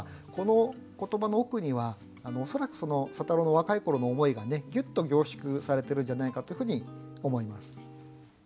この言葉の奥には恐らく佐太郎の若い頃の思いがねぎゅっと凝縮されているんじゃないかというふうに思います。